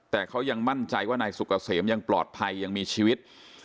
แต่เขายังมั่นใจว่านายสุกเกษมยังปลอดภัยยังมีชีวิต